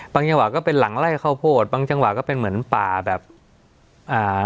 จังหวะก็เป็นหลังไล่ข้าวโพดบางจังหวะก็เป็นเหมือนป่าแบบอ่า